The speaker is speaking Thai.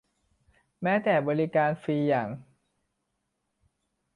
แม้แต่บริการฟรีอย่าง